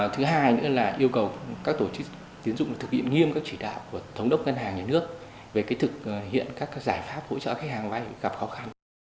thứ hai nữa là yêu cầu các tổ chức tiến dụng thực hiện nghiêm các chỉ đạo của thống đốc ngân hàng nhà nước về thực hiện các giải pháp hỗ trợ khách hàng vay gặp khó khăn